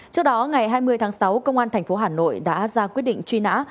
trước đó ngày hai mươi tháng sáu công an thành phố hà nội đã ra quyết định truy nã